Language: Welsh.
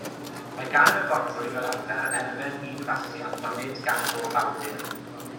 Mae gan y fodrwy, fel arfer, elfen unfathiant, ond nid gan bob awdur.